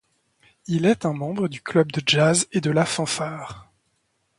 Il est un membre du club de jazz et de la fanfare.